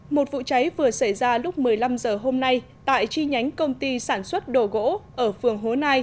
một vụ cháy vừa xảy ra lúc một mươi năm h hôm nay tại chi nhánh công ty sản xuất đồ gỗ ở phường hố nai